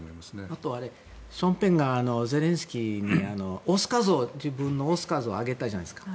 あとはショーン・ペンがゼレンスキーに自分のオスカー像をあげたじゃないですか。